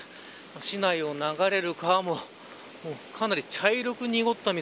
市内を流れる川もかなり茶色く濁った水。